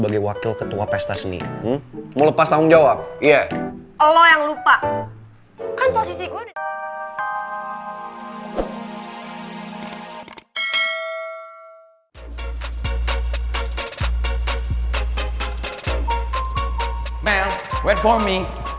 aduh pak aku ga bisa tunggu lagi